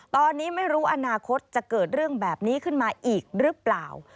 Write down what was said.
ตอนนี้ไม่รู้อนาคตจะเกิดเรื่องแบบนี้ขึ้นมาอีกหรือเปล่า